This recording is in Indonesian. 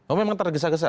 oh memang tergesa gesa